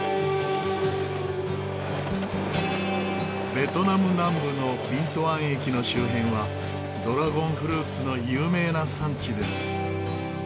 ベトナム南部のビントゥアン駅の周辺はドラゴンフルーツの有名な産地です。